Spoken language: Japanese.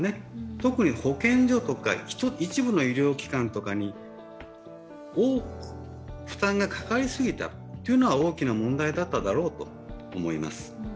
特に保健所とか一部の医療機関に多く負担がかかりすぎたというのが大きな問題だっただろうと思います。